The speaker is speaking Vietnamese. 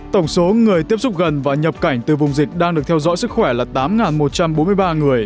tổng số người tiếp xúc gần và nhập cảnh từ vùng dịch đang được theo dõi sức khỏe là tám một trăm bốn mươi ba người